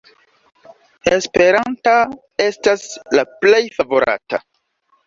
Esperanta estas la plej favorata.